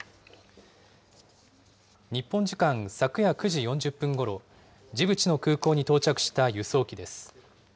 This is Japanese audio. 日本時間、昨夜９時４０分ごろ、ジブチの空港に到着した輸送機です。